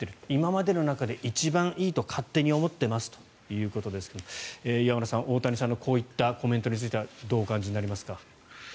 今までの中で一番いいと勝手に思ってますということですが岩村さん、大谷さんのこういったコメントについてはどうお感じになりますか？